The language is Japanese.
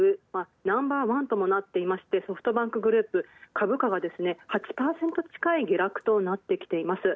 ナンバーワンともなっており、ソフトバンクグループ、株価が８％ちかい下落となっています。